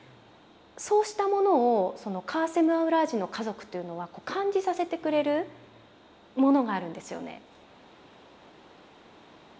そうしたものをカーセム・アウラージの家族というのは感じさせてくれるものがあるんですよね。